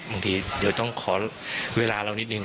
บางทีเดี๋ยวต้องขอเวลาเรานิดนึง